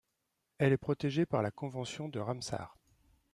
Elle est protégée par la Convention de Ramsar.